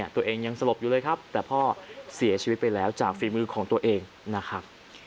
ตัวเองยังสลบอยู่เลยครับแต่พ่อเสียชีวิตไปแล้วจากฝีมือของตัวเองนะครับ